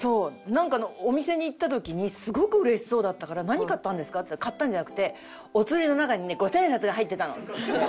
なんかお店に行った時にすごくうれしそうだったから「何買ったんですか？」って言ったら買ったんじゃなくて「お釣りの中にね五千円札が入ってたの」って言って。